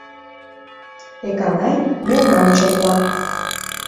Эканай мелнам чокла.